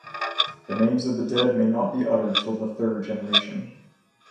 The names of the dead may not be uttered till the third generation.